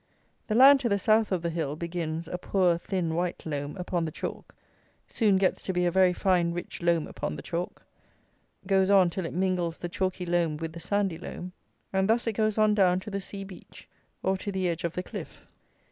The land to the south of the hill begins a poor, thin, white loam upon the chalk; soon gets to be a very fine rich loam upon the chalk; goes on till it mingles the chalky loam with the sandy loam; and thus it goes on down to the sea beach, or to the edge of the cliff.